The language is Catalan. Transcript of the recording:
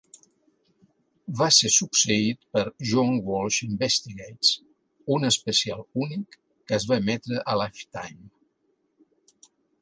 Va ser succeït per "John Walsh Investigates", un especial únic que es va emetre a Lifetime.